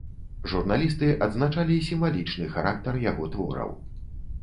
Журналісты адзначалі сімвалічны характар яго твораў.